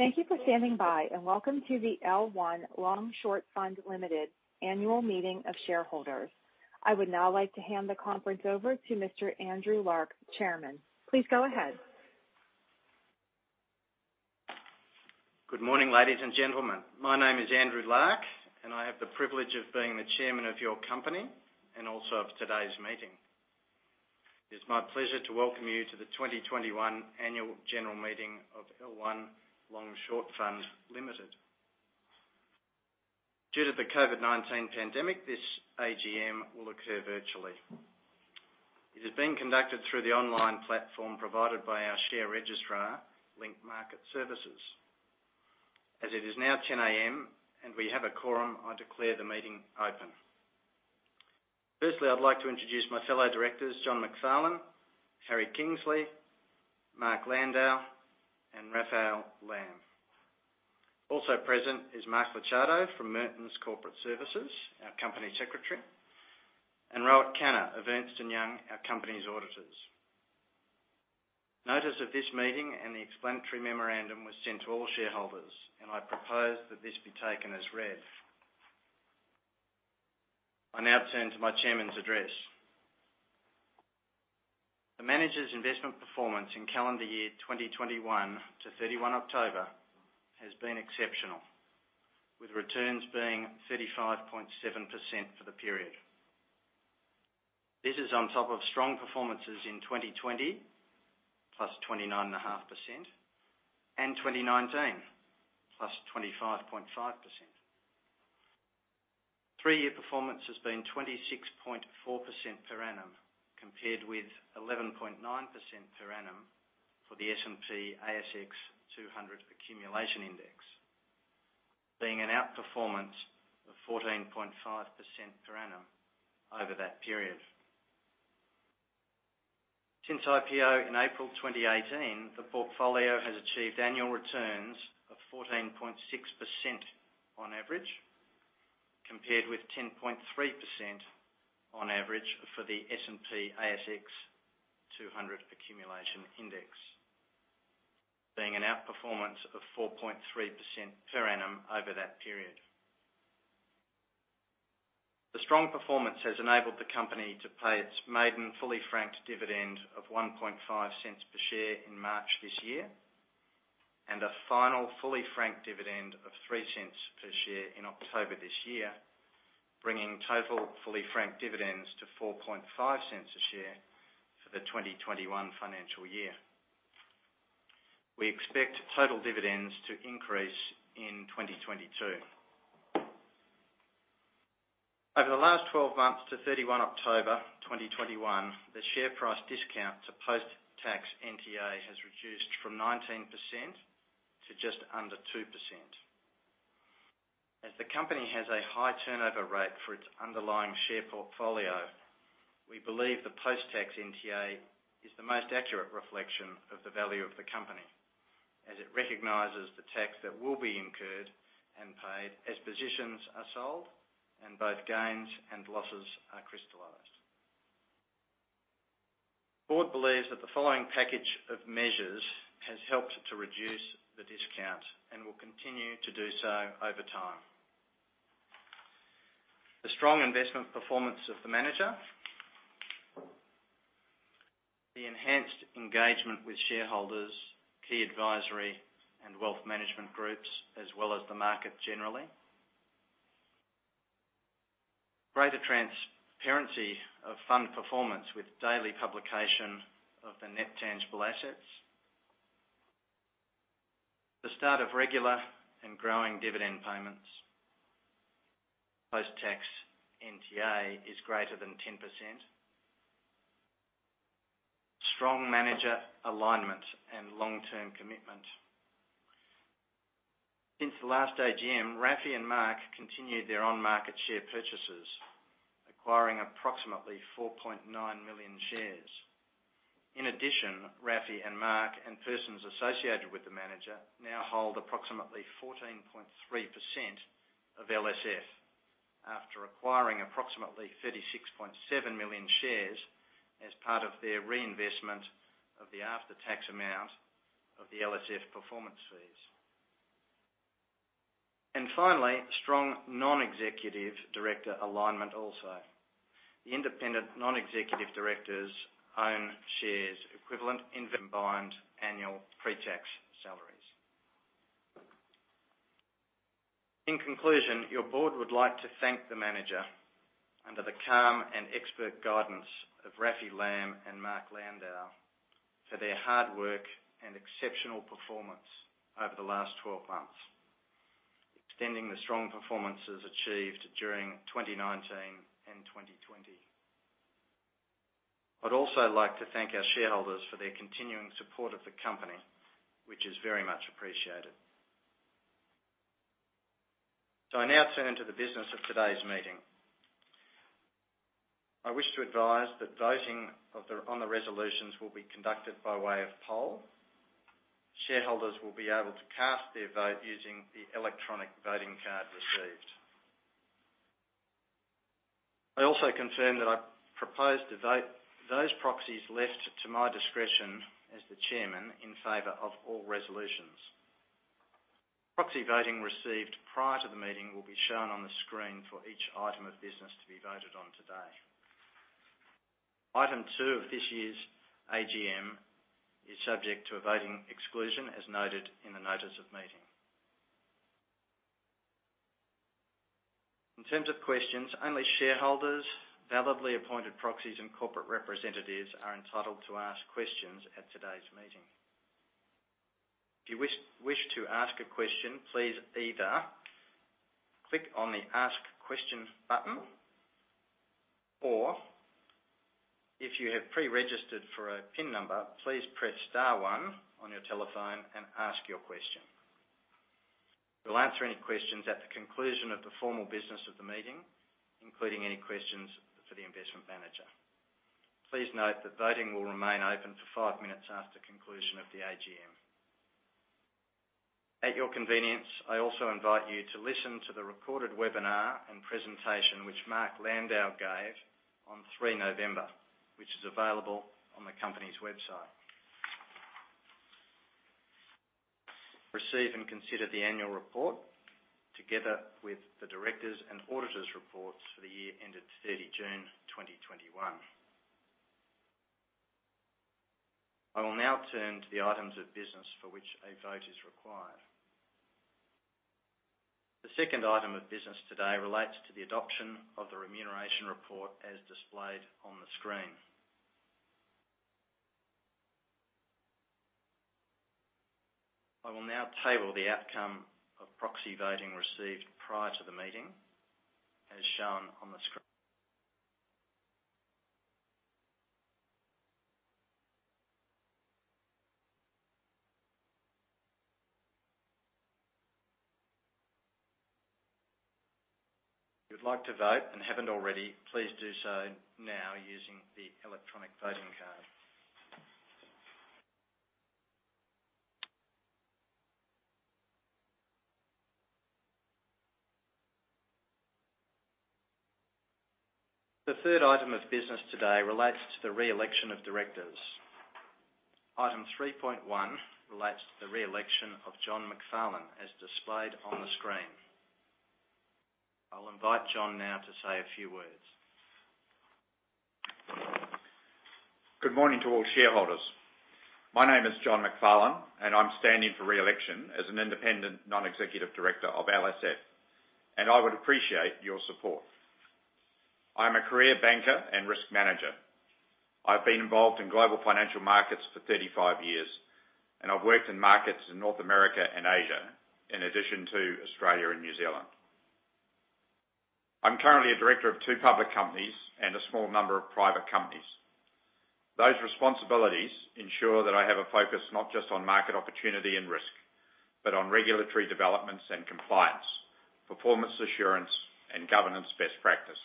Thank you for standing by, and welcome to the L1 Long Short Fund Limited annual meeting of shareholders. I would now like to hand the conference over to Mr. Andrew Larke, Chairman. Please go ahead. Good morning, ladies and gentlemen. My name is Andrew Larke, and I have the privilege of being the Chairman of your company and also of today's meeting. It's my pleasure to welcome you to the 2021 annual general meeting of L1 Long Short Fund Limited. Due to the COVID-19 pandemic, this AGM will occur virtually. It is being conducted through the online platform provided by our share registrar, Link Market Services. As it is now 10:00 A.M. and we have a quorum, I declare the meeting open. Firstly, I'd like to introduce my fellow Directors, John Macfarlane, Harry Kingsley, Mark Landau, and Raphael Lamm. Also present is Mark Licciardo from Mertons Corporate Services, our company Secretary, and Rohit Khanna of Ernst & Young, our company's auditors. Notice of this meeting and the explanatory memorandum was sent to all shareholders, and I propose that this be taken as read. I now turn to my Chairman's address. The manager's investment performance in calendar year 2021 to 31 October has been exceptional, with returns being 35.7% for the period. This is on top of strong performances in 2020, +29.5%, and 2019, +25.5%. three-year performance has been 26.4% per annum, compared with 11.9% per annum for the S&P/ASX 200 Accumulation Index, being an outperformance of 14.5% per annum over that period. Since IPO in April 2018, the portfolio has achieved annual returns of 14.6% on average, compared with 10.3% on average for the S&P/ASX 200 Accumulation Index, being an outperformance of 4.3% per annum over that period. The strong performance has enabled the company to pay its maiden fully franked dividend of 0.015 per share in March this year, and a final fully franked dividend of 0.03 per share in October this year, bringing total fully franked dividends to 0.045 a share for the 2021 financial year. We expect total dividends to increase in 2022. Over the last 12 months to 31 October 2021, the share price discount to post-tax NTA has reduced from 19% to just under 2%. As the company has a high turnover rate for its underlying share portfolio, we believe the post-tax NTA is the most accurate reflection of the value of the company, as it recognizes the tax that will be incurred and paid as positions are sold and both gains and losses are crystallized. Board believes that the following package of measures has helped to reduce the discount and will continue to do so over time. The strong investment performance of the manager, the enhanced engagement with shareholders, key advisory, and wealth management groups as well as the market generally. Greater transparency of fund performance with daily publication of the net tangible assets. The start of regular and growing dividend payments. Post-tax NTA is greater than 10%. Strong manager alignment and long-term commitment. Since the last AGM, Rafi and Mark continued their on-market share purchases, acquiring approximately 4.9 million shares. In addition, Rafi and Mark and persons associated with the manager now hold approximately 14.3% of LSF after acquiring approximately 36.7 million shares as part of their reinvestment of the after-tax amount of the LSF performance fees. Finally, strong Non-Executive Director alignment also. The Independent Non-Executive Directors own shares equivalent in combined annual pre-tax salaries. In conclusion, your board would like to thank the manager under the calm and expert guidance of Rafi Lamm and Mark Landau for their hard work and exceptional performance over the last 12 months, extending the strong performances achieved during 2019 and 2020. I'd also like to thank our shareholders for their continuing support of the company, which is very much appreciated. I now turn to the business of today's meeting. I wish to advise that voting on the resolutions will be conducted by way of poll. Shareholders will be able to cast their vote using the electronic voting card received. I also confirm that I propose to vote those proxies left to my discretion as the Chairman in favor of all resolutions. Proxy voting received prior to the meeting will be shown on the screen for each item of business to be voted on today. Item two of this year's AGM is subject to a voting exclusion as noted in the notice of meeting. In terms of questions, only shareholders, validly appointed proxies, and corporate representatives are entitled to ask questions at today's meeting. If you wish to ask a question, please either click on the Ask Question button, or if you have pre-registered for a PIN number, please press star one on your telephone and ask your question. We'll answer any questions at the conclusion of the formal business of the meeting, including any questions for the investment manager. Please note that voting will remain open for five minutes after conclusion of the AGM. At your convenience, I also invite you to listen to the recorded webinar and presentation which Mark Landau gave on 3 November, which is available on the company's website. Receive and consider the annual report together with the Directors' and Auditors' reports for the year ended 30 June 2021. I will now turn to the items of business for which a vote is required. The second item of business today relates to the adoption of the remuneration report as displayed on the screen. I will now table the outcome of proxy voting received prior to the meeting, as shown on the screen. If you would like to vote and haven't already, please do so now using the electronic voting card. The third item of business today relates to the re-election of Directors. Item 3.1 relates to the re-election of John Macfarlane, as displayed on the screen. I'll invite John now to say a few words. Good morning to all shareholders. My name is John Macfarlane, and I'm standing for re-election as an independent Non-Executive Director of LSF, and I would appreciate your support. I'm a career banker and risk manager. I've been involved in global financial markets for 35 years, and I've worked in markets in North America and Asia, in addition to Australia and New Zealand. I'm currently a Director of two public companies and a small number of private companies. Those responsibilities ensure that I have a focus not just on market opportunity and risk, but on regulatory developments and compliance, performance assurance, and governance best practice.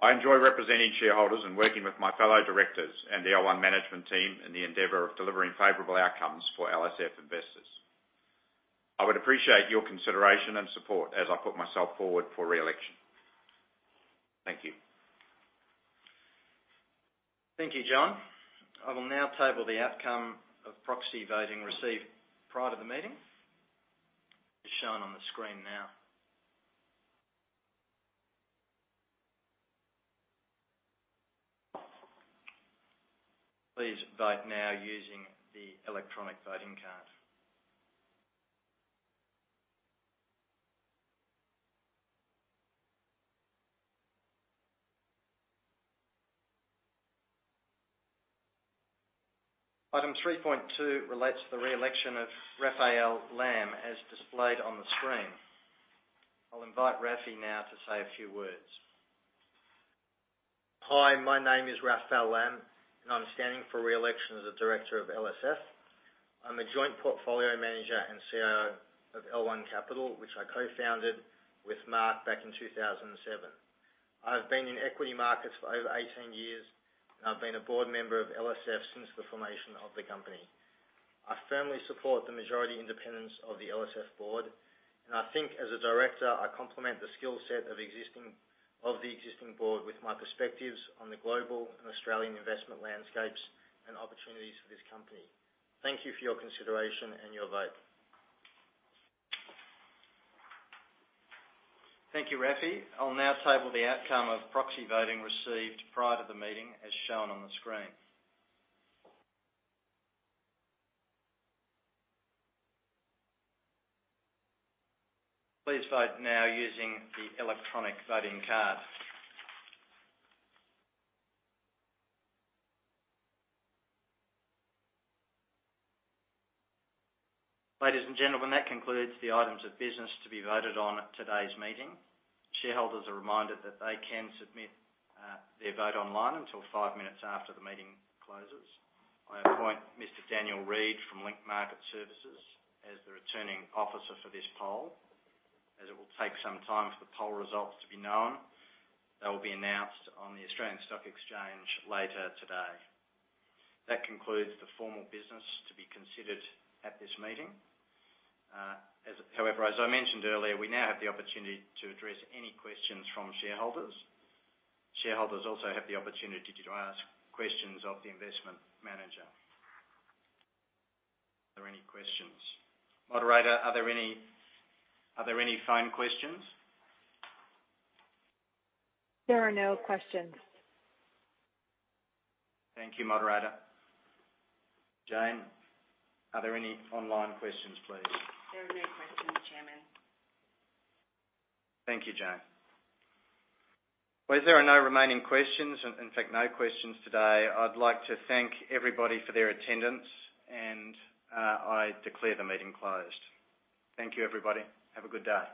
I enjoy representing shareholders and working with my fellow Directors and the L1 management team in the endeavor of delivering favorable outcomes for LSF investors. I would appreciate your consideration and support as I put myself forward for re-election. Thank you. Thank you, John. I will now table the outcome of proxy voting received prior to the meeting. It's shown on the screen now. Please vote now using the electronic voting card. Item 3.2 relates to the re-election of Raphael Lamm, as displayed on the screen. I'll invite Rafi now to say a few words. Hi, my name is Raphael Lamm, and I'm standing for re-election as a Director of LSF. I'm a joint portfolio manager and CEO of L1 Capital, which I Co-Founded with Mark back in 2007. I've been in equity markets for over 18 years. I've been a board member of LSF since the formation of the company. I firmly support the majority independence of the LSF board, and I think as a Director, I complement the skill set of the existing board with my perspectives on the global and Australian investment landscapes and opportunities for this company. Thank you for your consideration and your vote. Thank you, Rafi. I'll now table the outcome of proxy voting received prior to the meeting, as shown on the screen. Please vote now using the electronic voting card. Ladies and gentlemen, that concludes the items of business to be voted on at today's meeting. Shareholders are reminded that they can submit their vote online until five minutes after the meeting closes. I appoint Mr. Daniel Reed from Link Market Services as the Returning Officer for this poll. As it will take some time for the poll results to be known, they will be announced on the Australian Securities Exchange later today. That concludes the formal business to be considered at this meeting. However, as I mentioned earlier, we now have the opportunity to address any questions from shareholders. Shareholders also have the opportunity to ask questions of the investment manager. Are there any questions? Moderator, are there any phone questions? There are no questions. Thank you, moderator. Jane, are there any online questions, please? There are no questions, Chairman. Thank you, Jane. Well, as there are no remaining questions, in fact, no questions today, I'd like to thank everybody for their attendance and I declare the meeting closed. Thank you, everybody. Have a good day.